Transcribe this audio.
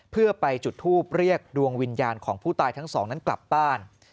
เพื่อไปจุดทูปเรียกดวงวิญญาณของผู้ตายทั้งสองนั้นกลับบ้าน